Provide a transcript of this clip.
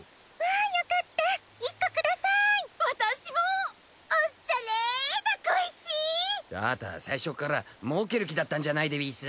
あた最初っから儲ける気だったんじゃないでうぃす？